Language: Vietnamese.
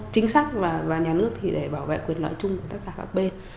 chính sách và nhà nước thì để bảo vệ quyền lợi chung của tất cả các bên